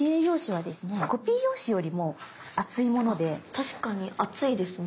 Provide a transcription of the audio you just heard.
確かに厚いですね。